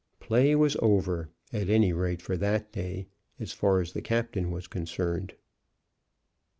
Play was over, at any rate for that day, as far as the captain was concerned.